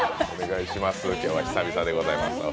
今日はお二人、久々でございます。